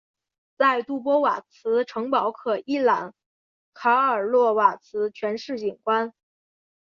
在杜波瓦茨城堡可一览卡尔洛瓦茨全市景观。